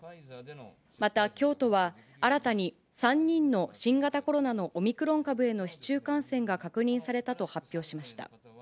また京都は、新たに３人の新型コロナのオミクロン株への市中感染が確認されたと発表しました。